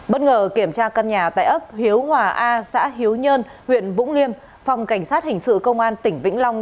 bất ngờ kiểm tra căn nhà tại ấp hiếu hòa a xã hiếu nhơn huyện vũng liêm phòng cảnh sát hình sự công an tỉnh vĩnh long